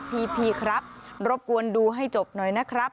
พี่ครับรบกวนดูให้จบหน่อยนะครับ